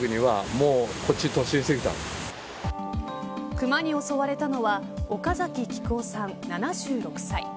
熊に襲われたのは岡崎菊雄さん７６歳。